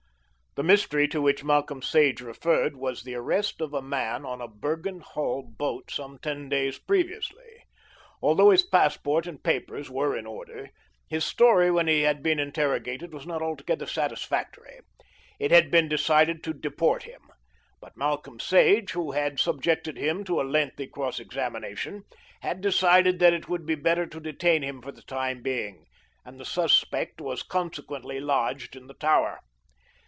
The mystery to which Malcolm Sage referred was the arrest of a man on a Bergen Hull boat some ten days previously. Although his passport and papers were in order, his story when he had been interrogated was not altogether satisfactory. It had been decided to deport him; but Malcolm Sage, who had subjected him to a lengthy cross examination, had decided that it would be better to detain him for the time being, and the suspect was consequently lodged in the Tower.